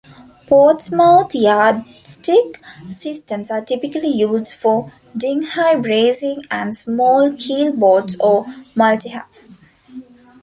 Portsmouth Yardstick systems are typically used for dinghy racing and small keelboats or multihulls.